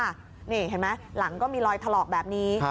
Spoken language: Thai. นี่เห็นหรือไม่บ้างหลังก็มีรอยถ็รอกแบบนี้